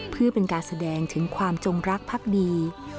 เพื่อเป็นการแสดงถึงความจงรักพักดี